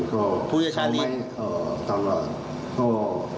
พูดกับชาริน